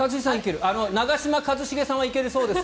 長嶋一茂さんは行けるそうです。